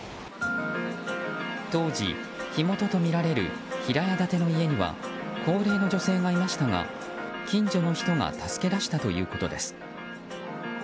当時、火元とみられる平屋建ての家には高齢の女性がいましたが近所の人が助け出したということです。